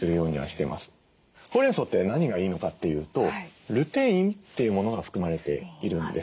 ホウレンソウって何がいいのかっていうとルテインというものが含まれているんですね。